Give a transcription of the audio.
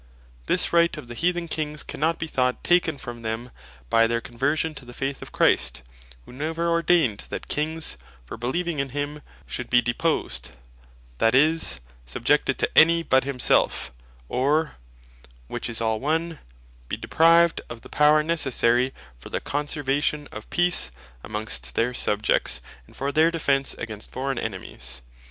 This Right of the Heathen Kings, cannot bee thought taken from them by their conversion to the Faith of Christ; who never ordained, that Kings for beleeving in him, should be deposed, that is, subjected to any but himself, or (which is all one) be deprived of the power necessary for the conservation of Peace amongst their Subjects, and for their defence against foraign Enemies.